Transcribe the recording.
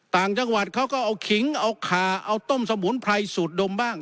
ต่างจังหวัดเขาก็เอาขิงเอาขาเอาต้มสมุนไพรสูตรดมบ้าง